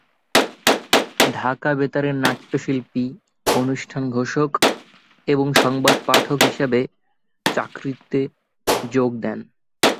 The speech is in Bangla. ঢাকা বেতারের নাট্য শিল্পী, অনুষ্ঠান ঘোষক এবং সংবাদ পাঠক হিসেবে চাকুরিতে যোগ দেন।